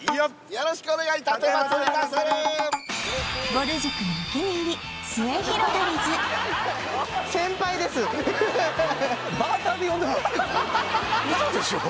よろしくお願いたてまつりまするウソでしょ！？